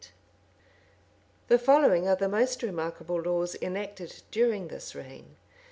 The following are the most remarkable laws enacted during this reign.